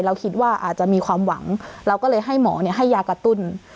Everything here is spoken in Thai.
เราคิดว่าอาจจะมีความหวังเราก็เลยให้หมอให้ยากระตุ้น